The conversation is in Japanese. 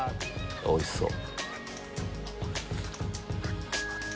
おいしそう。